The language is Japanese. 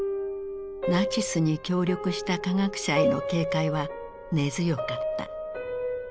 ナチスに協力した科学者への警戒は根強かった。